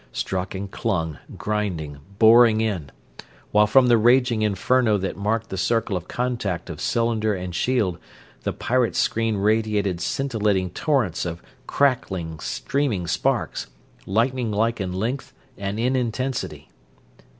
Struck and clung, grinding, boring in, while from the raging inferno that marked the circle of contact of cylinder and shield the pirates' screen radiated scintillating torrents of cracking, streaming sparks, lightning like in length and in intensity.